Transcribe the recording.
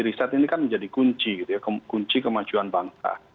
riset ini kan menjadi kunci gitu ya kunci kemajuan bangsa